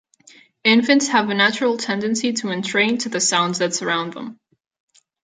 Infants have a natural tendency to entrain to the sounds that surround them.